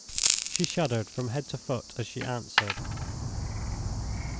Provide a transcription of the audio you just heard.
She shuddered from head to foot as she answered.